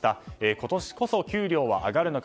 今年こそ給料は上がるのか。